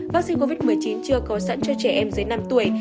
vaccine covid một mươi chín chưa có sẵn cho trẻ em dưới năm tuổi